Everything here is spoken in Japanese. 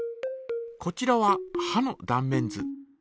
こちらははの断面図。